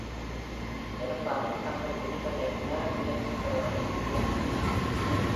பெரும்பாலும் தங்கள் விதிகளை உணர முயற்சிப்பவர்களின் இதயங்கள் தான்.